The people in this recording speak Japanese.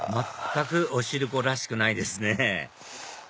全くお汁粉らしくないですね